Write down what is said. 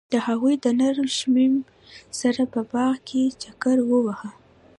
هغوی د نرم شمیم سره په باغ کې چکر وواهه.